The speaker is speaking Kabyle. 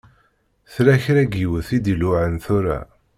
Tella kra n yiwet i d-iluɛan tura.